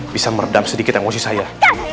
bisa meredam sedikit emosi saya